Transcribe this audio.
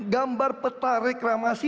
gambar peta reklamasi